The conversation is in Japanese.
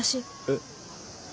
「えっ」。